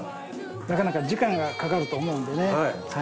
なかなか時間がかかると思うんでね。